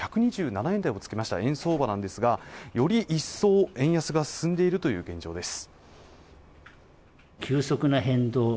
１２７円台をつけました円相場なんですがより一層円安が進んでいるという現状です